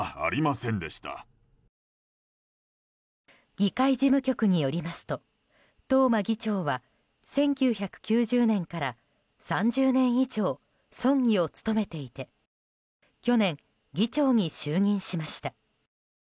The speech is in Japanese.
議会事務局によりますと東間議長は１９９０年から３０年以上村議を務めていて去年、議長に就任しました。